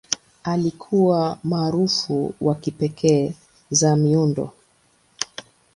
Alikuwa maarufu kwa kipekee za miundo.